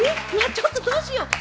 ちょっと、どうしよう。